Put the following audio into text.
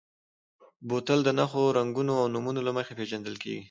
بوتل د نښو، رنګونو او نومونو له مخې پېژندل کېږي.